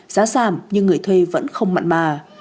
giá giảm nhưng người thuê vẫn không mặn mà